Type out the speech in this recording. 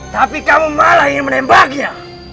tapi kamu malah ingin menembaknya